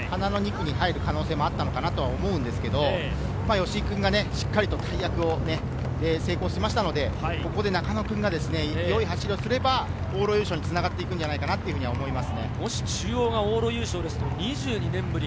本来、中野君が花の２区に入る可能性もあったのかなと思うんですけど、吉居君がしっかりと大役を成功しましたので、ここで中野君が良い走りをすれば、往路優勝に繋がっていくんじゃないかと思います。